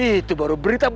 itu baru berita bagus